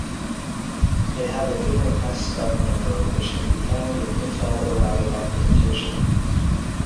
They had a different S-Spec number which can be found in Intel errata documentation.